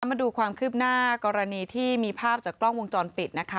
มาดูความคืบหน้ากรณีที่มีภาพจากกล้องวงจรปิดนะคะ